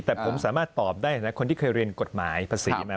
แต่ผมสามารถตอบได้นะคนที่เคยเรียนกฎหมายภาษีมา